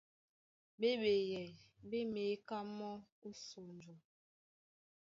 Ɓé ɓeyɛy ɓé měká mɔ́ ó sɔnjɔ.